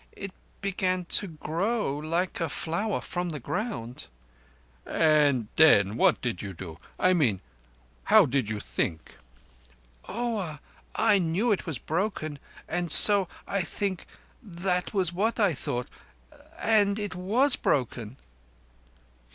It began to grow like a flower from the ground." "And then what did you do? I mean, how did you think?" "Oah! I knew it was broken, and so, I think, that was what I thought—and it was broken."